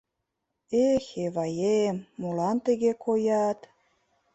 Эх, Эваем, молан тыге коят?